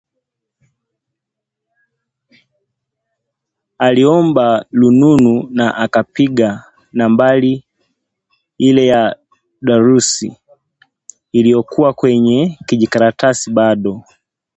Aliomba rununu na akapiga nambari ile ya Darius iliyokuwa kwenye kijikaratasi bado